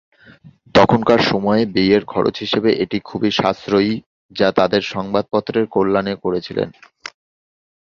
তখনকার সময়ে বিয়ের খরচ হিসেবে এটি খুবই সাশ্রয়ী যা তাদের সংবাদপত্রের কল্যাণে করেছিলেন।